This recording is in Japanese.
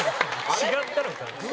違ったのか。